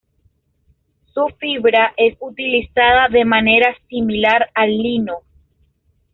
Su fibra es utilizada de manera similar al lino.